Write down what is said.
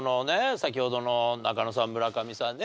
先ほどの中野さん村上さんね